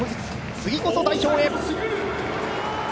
次こそ、代表へ。